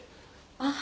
ああ。